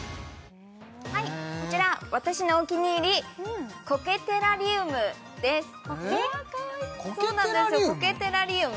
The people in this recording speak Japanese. こちら私のお気に入り苔テラリウムですえっ苔テラリウム？